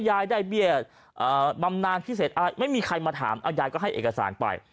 ยายได้เบี้ยบำนานพิเศษอะไรไม่มีใครมาถามยายก็ให้เอกสารไป